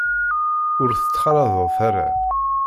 Ur t-ttxalaḍet ara.